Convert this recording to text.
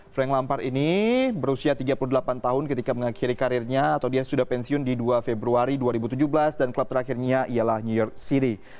frank lampard ini berusia tiga puluh delapan tahun ketika mengakhiri karirnya atau dia sudah pensiun di dua februari dua ribu tujuh belas dan klub terakhirnya ialah new york city